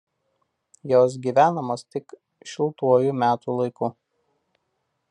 Jos gyvenamos tik šiltuoju metų laiku.